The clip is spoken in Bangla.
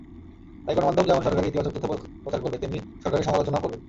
তাই গণমাধ্যম যেমন সরকারের ইতিবাচক তথ্য প্রচার করবে, তেমনি সরকারের সমালোচনাও করবে।